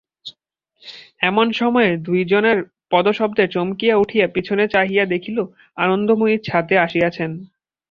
এমন সময়ে দুইজনে পদশব্দে চমকিয়া উঠিয়া পিছনে চাহিয়া দেখিল, আনন্দময়ী ছাতে আসিয়াছেন।